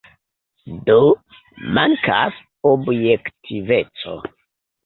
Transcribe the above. Do, mankas objektiveco.